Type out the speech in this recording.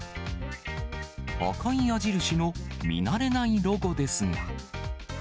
赤い矢印の、見慣れないロゴですが。